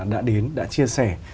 đã đến đã chia sẻ